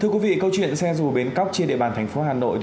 thưa quý vị câu chuyện xe rùa bến cóc trên địa bàn tp hà nội